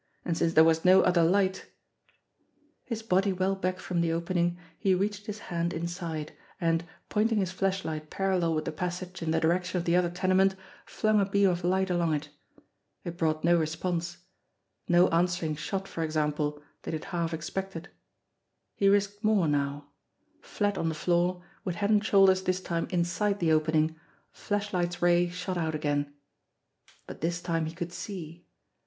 And since there was no other light His body well back from the opening, he reached his hand inside, and, pointing his flashlight parallel with the passage in the direction of the other tenement, flung a beam of light THE LAIR 283 along it. It brought no response ; no answering shot, for ex ample, that he had half expected. He risked more now. Flat on the floor, with head and shoulders this time inside the opening, the flashlight's ray shot out again. But this time he could see.